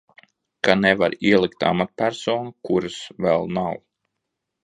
Ka nevar ielikt amatpersonu, kuras vēl nav.